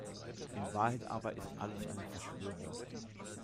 In Wahrheit aber ist alles eine Verschwörung.